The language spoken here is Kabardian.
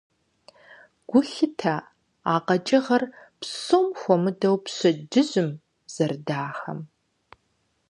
Гу лъытэ а къэкӀыгъэр, псом хуэмыдэу пщэдджыжьым, зэрыдахэм.